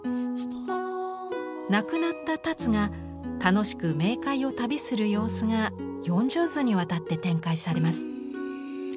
亡くなった田鶴が楽しく冥界を旅する様子が４０図にわたって展開されます。